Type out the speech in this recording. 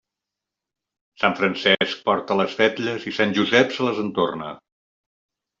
Sant Francesc porta les vetlles, i Sant Josep se les entorna.